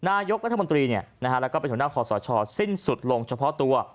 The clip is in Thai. นายกรัฐมนตรีนี่นะคะแล้วก็เป็นหน้าคอสะชอสิ้นสุดลงเฉพาะตัว